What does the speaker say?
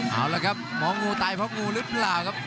เอาละครับหมองูตายเพราะงูหรือเปล่าครับ